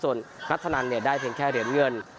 ส่วนนัทธนันเนี่ยได้เพียงแค่เหรียญเงิน